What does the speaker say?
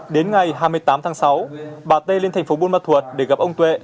đến ngày hai mươi tám tháng sáu bà t lên thành phố buôn mật thuột để gặp ông tuệ